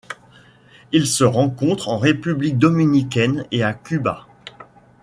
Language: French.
Elle se rencontre en République dominicaine et à Cuba.